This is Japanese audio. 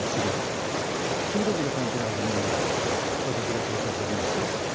君たちが探偵を始める前私が紹介した人物から聞いた。